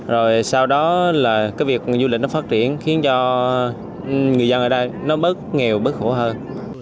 rồi sau đó là cái việc du lịch nó phát triển khiến cho người dân ở đây nó bớt nghèo bất khổ hơn